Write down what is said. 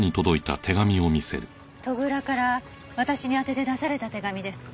戸倉から私に宛てて出された手紙です。